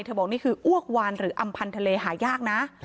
บอกนี่คืออ้วกวานหรืออำพันธ์ทะเลหายากนะ